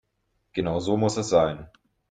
Genau so muss es sein.